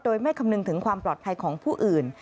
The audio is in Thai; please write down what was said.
โดยไม่คำนึงถึงความปลอดภัยของผู้อื่น